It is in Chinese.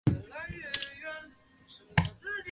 大日本帝国陆军军列表为旧日本陆军的军之列表。